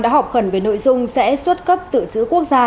đã họp khẩn về nội dung sẽ xuất cấp sự trữ quốc gia